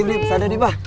nadif sadar dipah